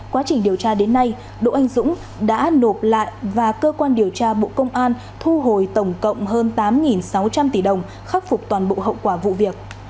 quá trình điều tra đến nay đỗ anh dũng đã nộp lại và cơ quan điều tra bộ công an thu hồi tổng cộng hơn tám sáu trăm linh tỷ đồng khắc phục toàn bộ hậu quả vụ việc